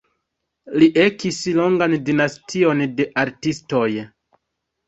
Li ekis longan dinastion de artistoj.